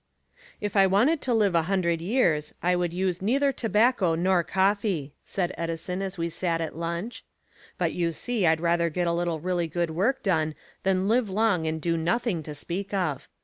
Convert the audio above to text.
"If I wanted to live a hundred years I would use neither tobacco nor coffee," said Edison as we sat at lunch. "But you see I'd rather get a little really good work done than live long and do nothing to speak of.